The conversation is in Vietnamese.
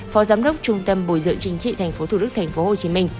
phó giám đốc trung tâm bồi dưỡng chính trị tp thủ đức tp hcm